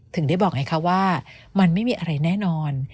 ถึงได้บอกไงคะว่ามันไม่มีอะไรแน่นอน